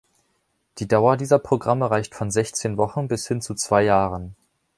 Die Dauer dieser Programme reicht von sechzehn Wochen bis hin zu zwei Jahren.